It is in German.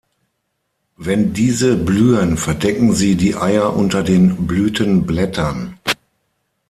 Wenn diese blühen verdecken sie die Eier unter den Blütenblättern.